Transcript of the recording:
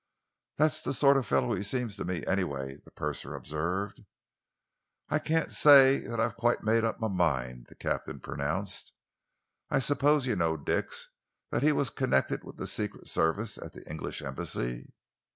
"That's the sort of fellow he seems to me, anyway," the purser observed. "I can't say that I've quite made up my mind," the captain pronounced. "I suppose you know, Dix, that he was connected with the Secret Service at the English Embassy?"